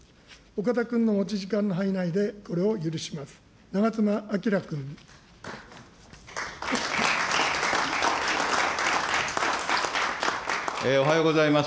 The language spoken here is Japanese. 岡田君の持ち時間の範囲内でこれを許します。